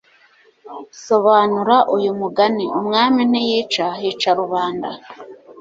sobanura uyu mugani umwami ntiyica, hica rubanda